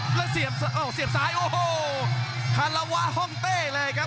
แล้วเสียบสายโอ้โหฮามละวะห้องเต้เลยครับ